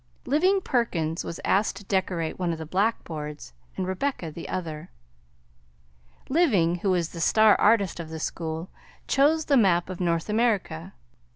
Living Perkins was asked to decorate one of the black boards and Rebecca the other. Living, who was the star artist of the school, chose the map of North America.